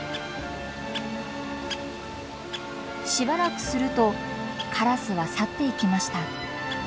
しばらくするとカラスは去っていきました。